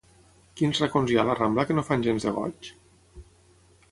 Quins racons hi ha a la Rambla que no fan gens de goig?